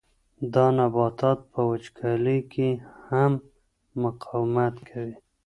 دا نبات په وچکالۍ کې هم مقاومت کوي.